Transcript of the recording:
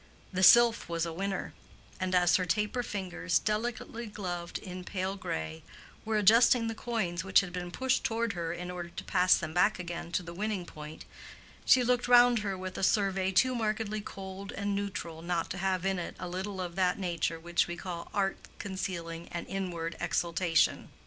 The sylph was a winner; and as her taper fingers, delicately gloved in pale gray, were adjusting the coins which had been pushed toward her in order to pass them back again to the winning point, she looked round her with a survey too markedly cold and neutral not to have in it a little of that nature which we call art concealing an inward exultation.